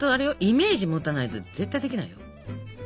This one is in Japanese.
イメージもたないと絶対できないよ。